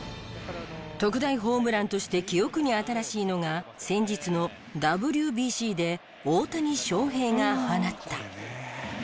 特大ホームランとして記憶に新しいのが先日のＷＢＣで大谷翔平が放った。